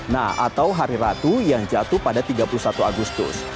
nah atau hari ratu yang jatuh pada tiga puluh satu agustus